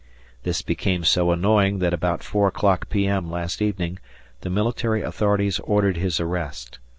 This became so annoying that about four o'clock P.M. last evening, the military authorities ordered his arrest.